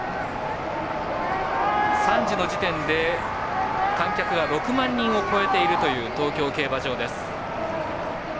３時の時点で観客が６万人を超えているという東京競馬場です。